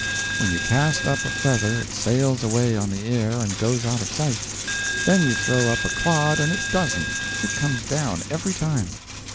When you cast up a feather it sails away on the air and goes out of sight; then you throw up a clod and it doesn't. It comes down, every time.